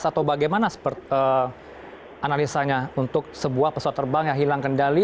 atau bagaimana analisanya untuk sebuah pesawat terbang yang hilang kendali